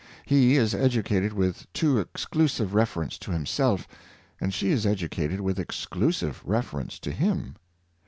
He is educated with too exclusive reference to himself and she is educated with exclusive reference to him.